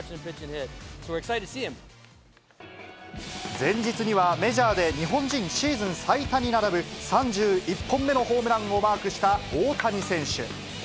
前日には、メジャーで日本人シーズン最多に並ぶ、３１本目のホームランをマークした大谷選手。